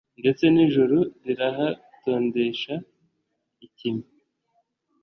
ndetse n'ijuru rirahatondesha ikime